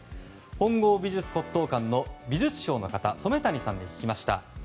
本郷美術骨董館の美術商の染谷さんに聞きました。